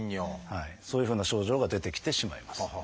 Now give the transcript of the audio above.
そういうふうな症状が出てきてしまいます。